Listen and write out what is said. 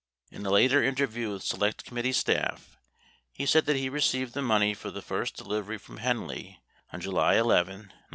49 In a later interview with Select Committee staff, he said that he received the money for the first de 1 ivery from Henley on July 11, 1969.